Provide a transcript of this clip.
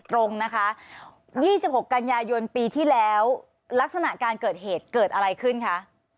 ตรงนะคะ๒๖กันยายนปีที่แล้วลักษณะการเกิดเหตุเกิดอะไรขึ้นคะ